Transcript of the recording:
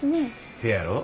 せやろ？